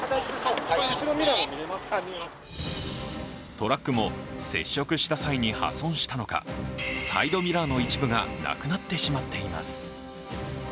トラックも接触した際に破損したのかサイドミラーの一部がなくなってしまっています。